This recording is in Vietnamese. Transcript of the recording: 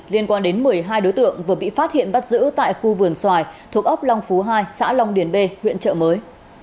liên quan đến một mươi hai đối tượng vừa bị phát hiện bắt giữ tại khu vườn xoài thuộc ốc long phú hai xã long điền b huyện trợ mới